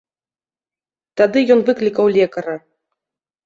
Тады ён выклікаў лекара.